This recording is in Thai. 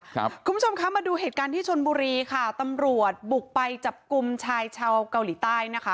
คุณผู้ชมคะมาดูเหตุการณ์ที่ชนบุรีค่ะตำรวจบุกไปจับกลุ่มชายชาวเกาหลีใต้นะคะ